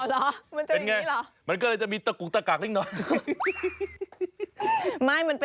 เฮ้ยเฮ้ยเฮ้ยเฮ้ยเฮ้ยเฮ้ยเฮ้ยเฮ้ยเฮ้ยเฮ้ยเฮ้ยเฮ้ยเฮ้ยเฮ้ยเฮ้ยเฮ้ยเฮ้ยเฮ้ยเฮ้ย